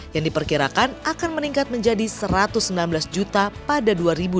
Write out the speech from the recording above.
yang diperkirakan akan meningkat menjadi satu ratus sembilan belas juta pada dua ribu dua puluh